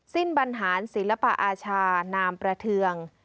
บรรหารศิลปอาชานามประเทือง